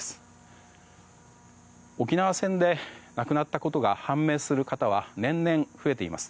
沖縄戦で亡くなったことが判明する方は年々、増えています。